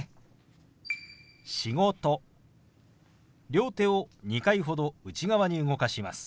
両手を２回ほど内側に動かします。